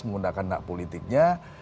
mengundang kandak politiknya